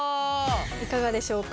いかがでしょうか。